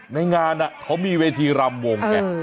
ในงานน่ะเขามีเวทีรำวงเนี่ย